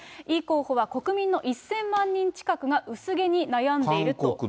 イ候補は国民の１０００万人近くが薄毛に悩んでいると。